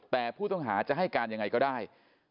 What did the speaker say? แต่ผู้ต้องหาจะให้การยังไงก็ได้